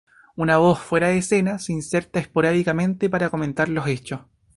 Una voz, fuera de escena se inserta esporádicamente para comentar los hechos.